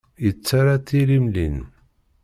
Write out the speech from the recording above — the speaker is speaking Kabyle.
Yettarra tilimlin.